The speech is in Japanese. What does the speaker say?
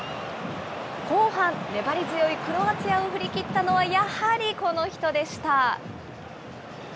後半粘り強いクロアチアを振り切ったのはやはりこの人でした。